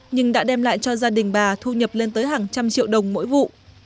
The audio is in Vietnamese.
nhưng đã đem lại cho gia đình bà thu nhập lên tới hàng trăm triệu đồng mỗi vụ